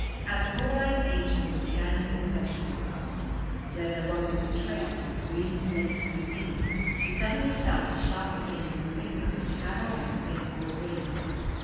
As Fräulein Aennchen was standing in the vegetable garden, where there wasn't the trace of a green blade to be seen, she suddenly felt a sharp pain in the finger which had on the fateful ring.